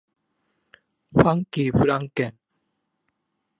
ファンキーフランケン